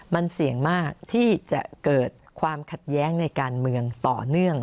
มันเสี่ยงมากที่จะเกิดความขัดแย้งในการเมืองต่อเนื่อง